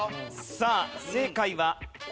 さあ正解は。